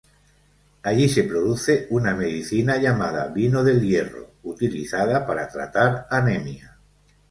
Allí se produce una medicina, llamada "Vino del hierro", utilizada para tratar anemia.